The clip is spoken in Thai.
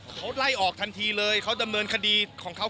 เขาไล่ออกทันทีเลยเขาดำเนินคดีของเขา